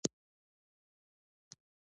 خو دا اومه مواد باید څنګه په توکو بدل شي